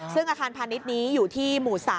ซึ่งอาคารพาณิชย์นี้อยู่ที่หมู่๓